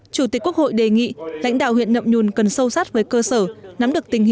chủ tịch quốc hội đề nghị lãnh đạo huyện nậm nhùn cần sâu sát với cơ sở